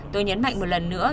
tôi nhấn mạnh một lần nữa